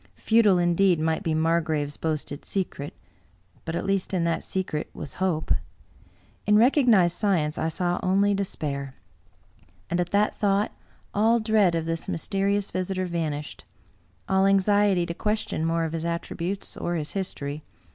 Futile, indeed, might be Margrave's boasted secret ; but at least in that secret was hope. In recognized science I saw only despair. And at that thought all dread of this mysterious visitor 70 Bulwer Lytton vanished — ^all anxiety to question more of his attributes or his history.